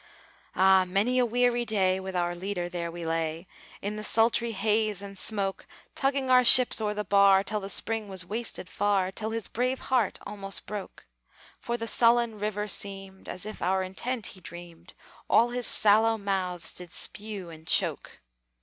Ah! many a weary day With our Leader there we lay. In the sultry haze and smoke, Tugging our ships o'er the bar, Till the spring was wasted far, Till his brave heart almost broke. For the sullen river seemed As if our intent he dreamed, All his sallow mouths did spew and choke.